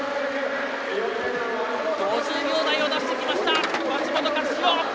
５０秒台を出してきました松元克央！